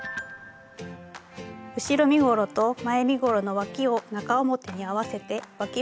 後ろ身ごろと前身ごろのわきを中表に合わせてわきを縫います。